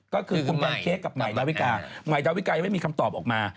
ก็คือคุณแพนเค้กกับใหม่ดาวิกาใหม่ดาวิกายังไม่มีคำตอบออกมา